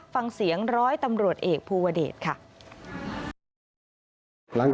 ฟังเสียงร้อยตำรวจเอกภูวเดชค่ะ